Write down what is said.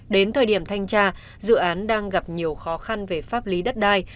đến thời điểm thanh tra dự án đang gặp nhiều khó khăn về pháp lý đất đai